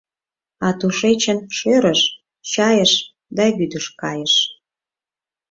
А тушечын шӧрыш, чайыш да вӱдыш кайыш.